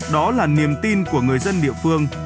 đó là niềm tin của người dân địa phương